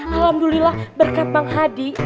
alhamdulillah berkat bang hadi